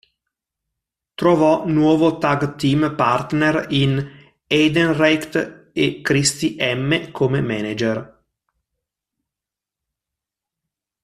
Trovò nuovo tag team partner in Heidenreich e Christy Hemme come manager.